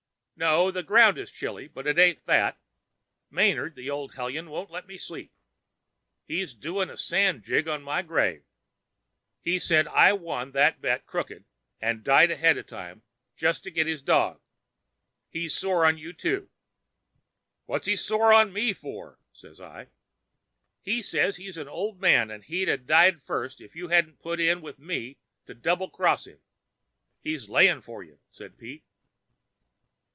"'No. The ground is chilly, but it ain't that. Manard, the old hellion, won't let me sleep. He's doing a sand jig on my grave. He says I won that bet crooked and died ahead of time just to get his dog. He's sore on you, too.' "'What's he sore on me for?' says I. "'He says he's an old man, and he'd 'a' died first if you hadn't put in with me to double cross him. He's laying for you,' says Pete.